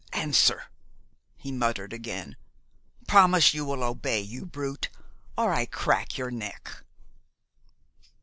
"Answer!" he muttered again. "Promise you will obey, you brute, or I crack your neck!"